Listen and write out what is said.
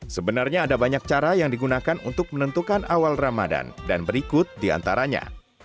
sebenarnya ada banyak cara yang digunakan untuk menentukan awal ramadan dan berikut diantaranya